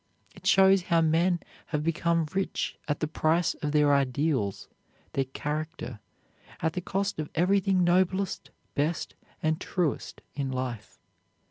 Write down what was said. It shows how men have become rich at the price of their ideals, their character, at the cost of everything noblest, best, and truest in life.